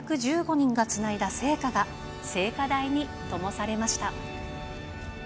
人がつないだ聖火が聖火台にともされました。